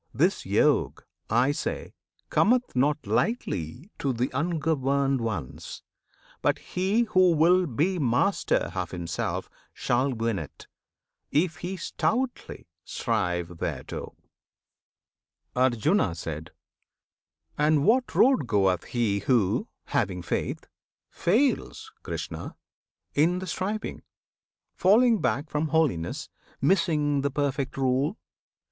This Yog, I say, Cometh not lightly to th' ungoverned ones; But he who will be master of himself Shall win it, if he stoutly strive thereto. Arjuna. And what road goeth he who, having faith, Fails, Krishna! in the striving; falling back From holiness, missing the perfect rule?